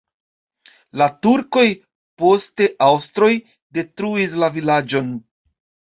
La turkoj, poste aŭstroj detruis la vilaĝon.